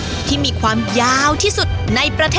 สะพานหินเกิดถึงจากธรรมชาติ